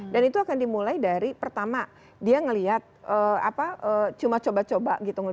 dan itu akan dimulai dari pertama dia ngelihat cuma coba coba gitu